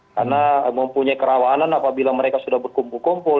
karena mempunyai kerawanan apabila mereka sudah berkumpul kumpul